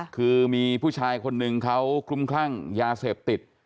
คือมีผู้ชายคนหนึ่งเขาคลุมคลั่งยาเสพติด